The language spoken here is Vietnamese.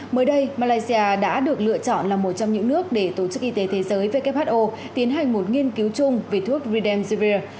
mới đây malaysia đã được lựa chọn là một trong những nước để tổ chức y tế thế giới who tiến hành một nghiên cứu chung về thuốc ridel zivir